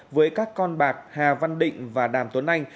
với các con bạc hà văn định và đàm tuấn anh